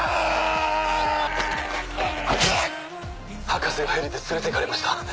博士がヘリで連れて行かれました。